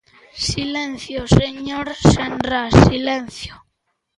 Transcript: Silencio, señor Senras, silencio.